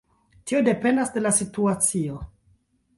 Tio dependas de la situacio.